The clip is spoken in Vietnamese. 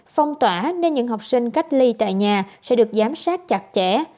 phong tỏa nên những học sinh cách ly tại nhà sẽ được giám sát chặt chẽ